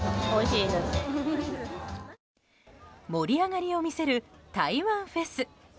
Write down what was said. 盛り上がりを見せる台湾フェス。